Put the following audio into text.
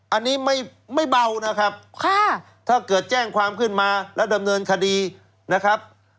อันนี้ไม่เบานะครับถ้าเกิดแจ้งความขึ้นมาแล้วดำเนินคดีนะครับ